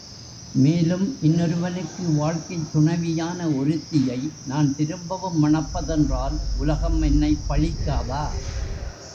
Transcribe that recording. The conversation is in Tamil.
மேலும் இன்னொருவனுக்கு வாழ்க்கைத் துணைவியான ஒருத்தியை நான் திரும்பவும் மணப்பதென்றால் உலகம் என்னைப் பழிக்காதா?